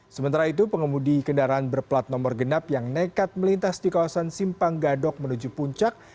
sementara itu pengemudi kendaraan berplat nomor genap yang nekat melintas di kawasan simpang gadok menuju puncak